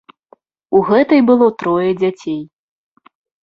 У гэтай было трое дзяцей.